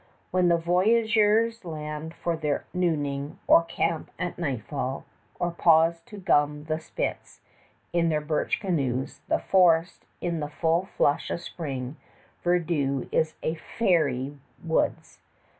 Where the voyageurs land for their nooning, or camp at nightfall, or pause to gum the splits in their birch canoes, the forest in the full flush of spring verdure is a fairy woods.